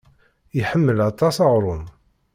Iḥemmel aṭas aɣrum.